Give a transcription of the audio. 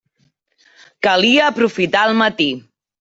Calia aprofitar el matí.